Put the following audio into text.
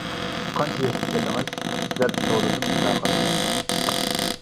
-قانچە ياشقا كىردىڭىز؟ دەپ سورىدىم تاقەت قىلالماي.